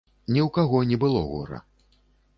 Ні ў каго не было гора.